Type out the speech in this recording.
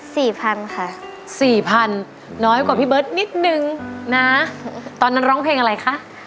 สี่พันค่ะสี่พันน้อยกว่าพี่เบิร์ตนิดนึงนะตอนนั้นร้องเพลงอะไรคะ